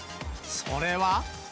それは。